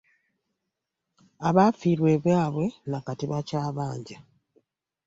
Abaafiirwa ebyabwe na kati bakyabanja.